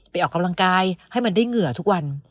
ออกกำลังกายให้มันได้เหงื่อทุกวัน